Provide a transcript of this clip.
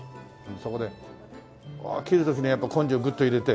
そこでうわ切る時にはやっぱ根性グッと入れて。